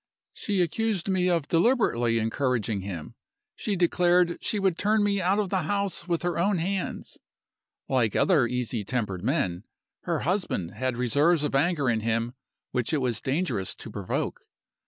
She accused me of deliberately encouraging him; she declared she would turn me out of the house with her own hands. Like other easy tempered men, her husband had reserves of anger in him which it was dangerous to provoke.